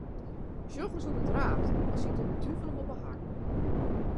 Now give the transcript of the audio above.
Sjoch ris hoe't er draaft, as siet de duvel him op 'e hakken.